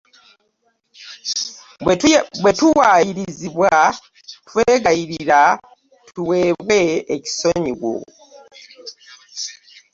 Bwe tuwaayirizibwa, twegayirira tuweebwe ekisonyiwo.